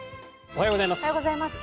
おはようございます。